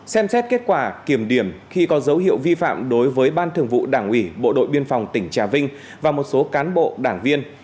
xem xét kết quả kiểm điểm khi có dấu hiệu vi phạm đối với ban thường vụ đảng ủy bộ đội biên phòng tỉnh trà vinh và một số cán bộ đảng viên